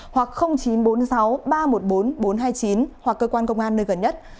hoặc chín trăm bốn mươi sáu ba trăm một mươi bốn bốn trăm hai mươi chín hoặc cơ quan công an nơi gần nhất